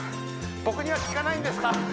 僕には聞かないんですか？